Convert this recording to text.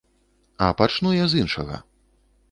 А пачну я з іншага.